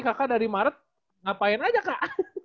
kakak dari maret ngapain aja kak